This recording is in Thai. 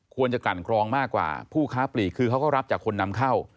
กลั่นกรองมากกว่าผู้ค้าปลีกคือเขาก็รับจากคนนำเข้า